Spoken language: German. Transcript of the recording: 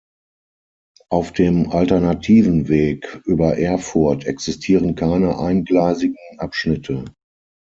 Auf dem alternativen Weg über Erfurt existieren keine eingleisigen Abschnitte.